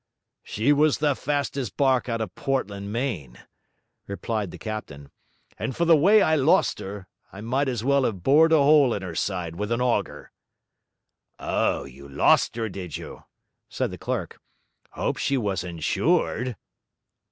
'She was the fastest barque out of Portland, Maine,' replied the captain; 'and for the way I lost her, I might as well have bored a hole in her side with an auger.' 'Oh, you lost her, did you?' said the clerk. ''Ope she was insured?'